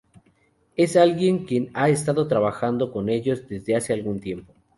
Es alguien quien ha estado trabajando con ellos desde hace algún tiempo".